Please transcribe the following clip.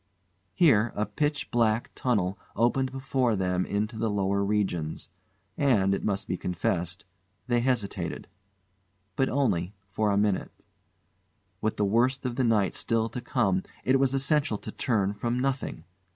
Here a pitch black tunnel opened before them into the lower regions, and it must be confessed they hesitated. But only for a minute. With the worst of the night still to come it was essential to turn from nothing.